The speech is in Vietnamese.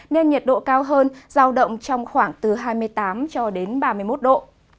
nên nhiệt độ cao hơn giao động trong khoảng từ hai mươi tám cho đến ba mươi một độ